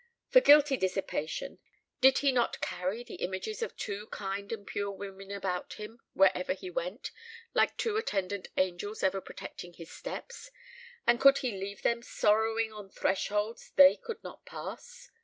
For guilty dissipation the young provincial had no taste. Did he not carry the images of two kind and pure women about with him wherever he went, like two attendant angels ever protecting his steps; and could he leave them sorrowing on thresholds they could not pass?